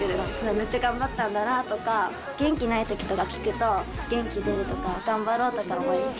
めっちゃ頑張ったんだなとか元気ないときとか聴くと、元気出るとか、頑張ろうとか思います。